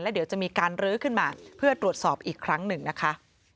เดี๋ยวจะมีการรื้อขึ้นมาเพื่อตรวจสอบอีกครั้งหนึ่งนะคะ